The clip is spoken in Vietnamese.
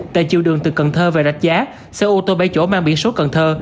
tại chiều đường từ cần thơ về rạch giá xe ô tô bảy chỗ mang biển số cần thơ